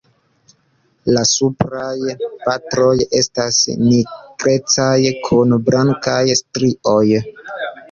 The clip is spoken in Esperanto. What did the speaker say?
La supraj partoj estas nigrecaj kun blankaj strioj.